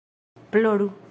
ploru